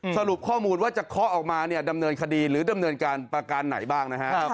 สรุปข้อมูลว่าจะเคาะออกมาเนี่ยดำเนินคดีหรือดำเนินการประการไหนบ้างนะฮะ